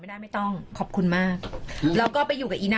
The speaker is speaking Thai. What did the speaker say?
ไปที่รักษาก่อน